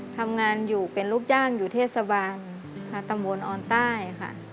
ทำงานอยู่เป็นลูกจ้างอยู่เทศบาลตำบลออนใต้ค่ะ